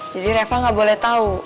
jadi reva gak boleh tau